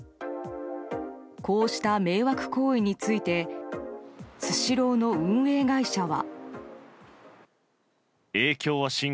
こうした迷惑行為についてスシローの運営会社は。